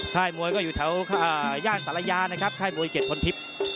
ค่ายมวยก็อยู่แถวอ่าย่านสาระยานะครับค่ายมวยเก็ดพลทิพย์